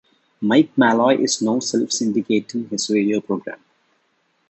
Mike Malloy is now self-syndicating his radio program.